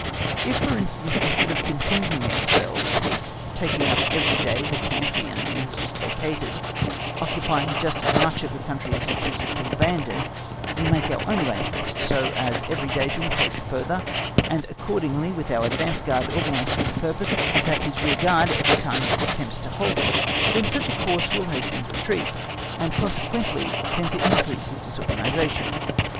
If, for instance, instead of contenting ourselves with taking up every day the camp the enemy has just vacated, occupying just as much of the country as he chooses to abandon, we make our arrangements so as every day to encroach further, and accordingly with our advance guard organised for the purpose, attack his rear guard every time it attempts to halt, then such a course will hasten his retreat, and consequently tend to increase his disorganisation.